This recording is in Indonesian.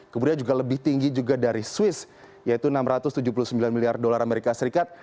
kemudian juga lebih tinggi juga dari swiss yaitu enam ratus tujuh puluh sembilan miliar dolar amerika serikat